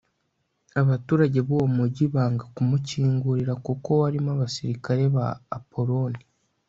abaturage b'uwo mugi banga kumukingurira kuko warimo abasirikare ba apoloni